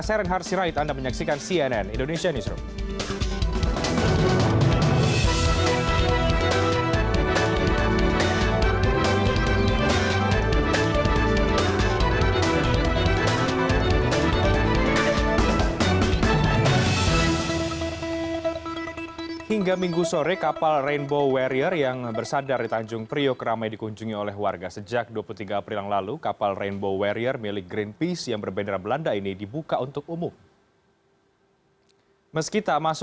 saya renhar sirahid anda menyaksikan cnn indonesia newsroom